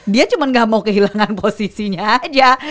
dia cuma gak mau kehilangan posisinya aja